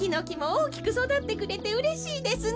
おおきくそだってくれてうれしいですね。